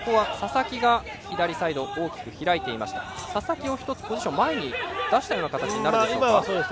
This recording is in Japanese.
佐々木を１つポジションを前に出したような今はそうでしたね。